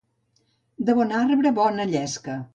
De bon arbre, bona llesca.